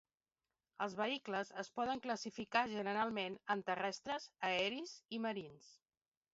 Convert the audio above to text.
Els vehicles es poden classificar generalment en terrestres, aeris i marins.